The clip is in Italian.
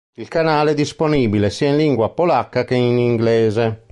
Il canale è disponibile sia in lingua polacca che in inglese.